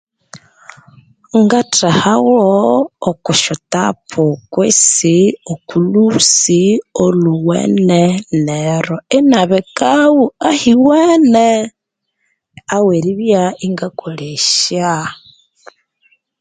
Ngathehagho oku syatapu kwisi okulhusi olhuwene neru inabikaghu ahiwene aweribya ingakolesya